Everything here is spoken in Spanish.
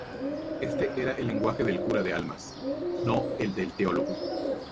Este era el lenguaje del cura de almas, no el del teólogo.